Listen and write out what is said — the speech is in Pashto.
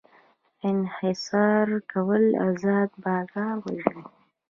انحصار کول ازاد بازار وژني.